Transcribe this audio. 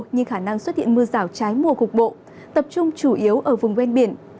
nhưng khả năng xuất hiện mưa rào trái mùa cục bộ tập trung chủ yếu ở vùng ven biển